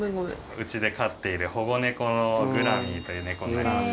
うちで飼っている保護猫のグラミーという猫になります。